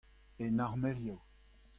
En armelioù.